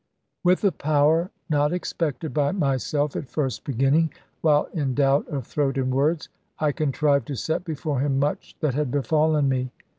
With a power not expected by myself at first beginning, while in doubt of throat and words, I contrived to set before him much that had befallen me.